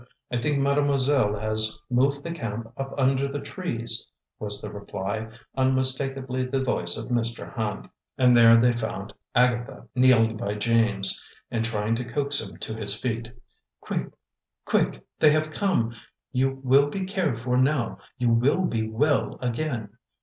I think mademoiselle has moved the camp up under the trees," was the reply, unmistakably the voice of Mr. Hand. And there they found Agatha, kneeling by James and trying to coax him to his feet. "Quick, they have come! You will be cared for now, you will be well again!"